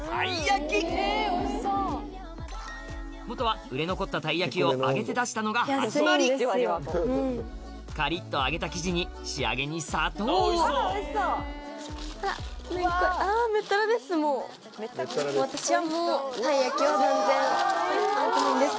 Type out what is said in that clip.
元は売れ残ったたいやきを揚げて出したのが始まりカリっと揚げた生地に仕上げに砂糖を私はもうたいやきは断然。